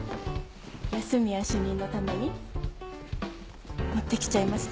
安洛主任のために持ってきちゃいました。